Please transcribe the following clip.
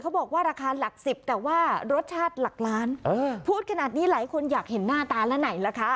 บอกว่าราคาหลักสิบแต่ว่ารสชาติหลักล้านพูดขนาดนี้หลายคนอยากเห็นหน้าตาแล้วไหนล่ะคะ